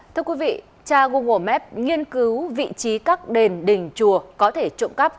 thưa quý vị cha google map nghiên cứu vị trí các đền đình chùa có thể trộm cắp